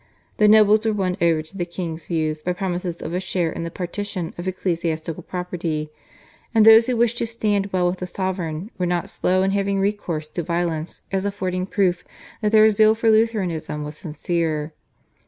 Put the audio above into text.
The nobles were won over to the king's views by promises of a share in the partition of ecclesiastical property, and those who wished to stand well with the sovereign were not slow in having recourse to violence as affording proof that their zeal for Lutheranism was sincere.